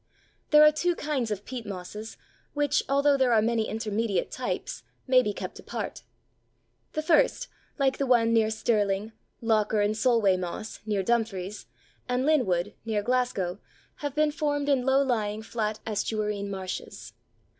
There are two kinds of peat mosses, which, although there are many intermediate types, may be kept apart. The first, like the one near Stirling, Lochar and Solway Moss, near Dumfries, and Linwood, near Glasgow, have been formed in low lying flat estuarine marshes.